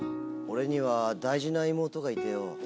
俺には大事な妹がいてよ。